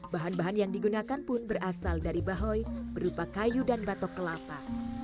bahan bahan yang digunakan pun berasal dari bahoy berupa kayu dan batok kelapa